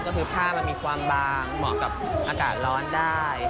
ก็คือผ้ามันมีความบางเหมาะกับอากาศร้อนได้